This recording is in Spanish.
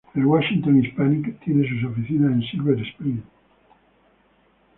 El "Washington Hispanic" tiene sus oficinas en Silver Spring.